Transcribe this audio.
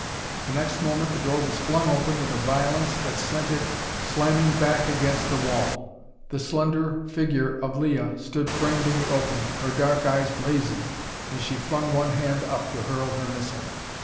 The next moment the door was flung open with a violence that sent it slamming back against the wall. The slender figure of Leah stood framed in the opening, her dark eyes blazing as she flung one hand up to hurl her missile.